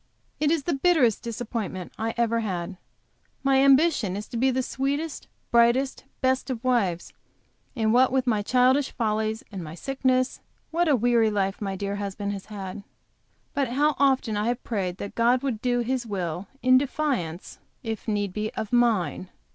It is the bitterest disappointment I ever had. My ambition is to be the sweetest, brightest, best of wives; and what with my childish follies, and my sickness, what a weary life my dear husband has had! But how often I have prayed that God would do His will in defiance, if need be, of mine!